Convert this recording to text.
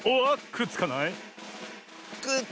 くっつかない！